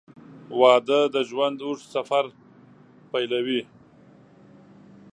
• واده د ژوند اوږد سفر پیلوي.